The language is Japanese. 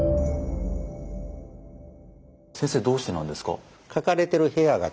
先生どうしてなんですか？